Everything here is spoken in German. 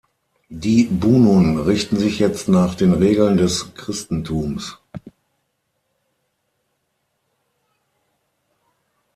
Die Bunun richten sich jetzt nach den Regeln des Christentums.